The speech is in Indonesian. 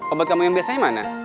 obat kamu yang biasanya mana